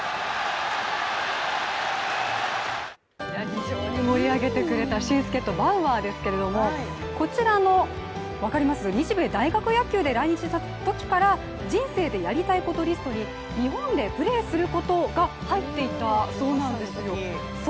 非常に盛り上げてくれた新助っ人バウアーですけれどもこちらの日米大学野球で来日したときから人生でやりたいことリストに日本でプレーすることが入っていたそうなんですよ。